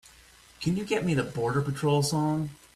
Can you get me The Border Patrol song?